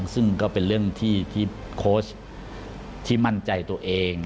ซึ่งก็เป็นเรื่องที่โค้ชที่มั่นใจตัวเอง